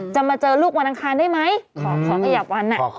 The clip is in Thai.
มาเจอลูกวันอังคารได้ไหมขอขยับวัน